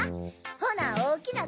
ほな